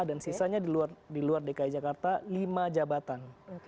dan sisanya di luar dki jakarta lima jabatan